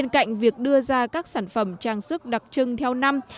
cạnh việc đưa ra các sản phẩm trang sức đặc trưng theo năm